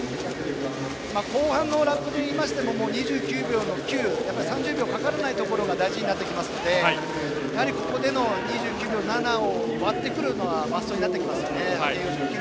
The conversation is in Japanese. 後半のラップで言っても２９秒の９３０秒かからないところが大事になってきますのでここでの２９秒７を割ってくるのはマストになってきますね。